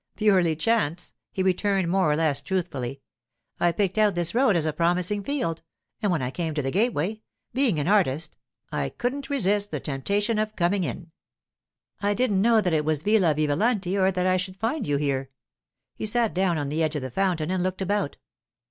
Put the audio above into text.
'Purely chance,' he returned more or less truthfully. 'I picked out this road as a promising field, and when I came to the gateway, being an artist, I couldn't resist the temptation of coming in. I didn't know that it was Villa Vivalanti or that I should find you here.' He sat down on the edge of the fountain and looked about.